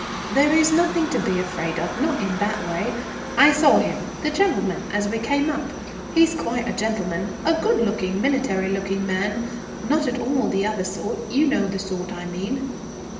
There is nothing to be afraid of, not in that way. I saw him, the gentleman, as we came up. He's quite a gentleman, a good looking military looking man, not at all the other sort you know the sort I mean."